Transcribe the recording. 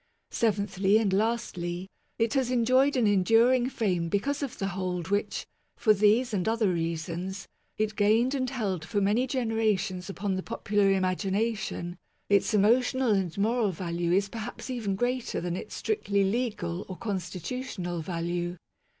Seventhly and Lastly. It has enjoyed an enduring fame because of the hold which, for these and other reasons, it gained and held for many generations upon the popular imagination, Its emotional and moral value is perhaps even greater than its strictly legal or constitutional value.